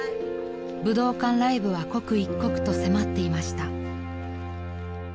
［武道館ライブは刻一刻と迫っていました］